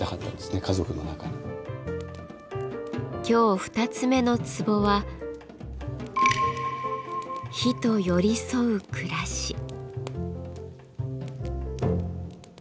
今日２つ目の壺は「火と寄り添う暮らし」。